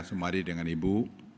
semari dengan ibu